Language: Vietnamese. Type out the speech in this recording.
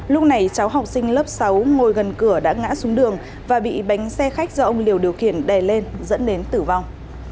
lúc này cháu học sinh lớp sáu ngồi gần cửa đã ngã xuống đường và bị bánh xe khách do ông liều điều khiển đè lên dẫn đến tử vong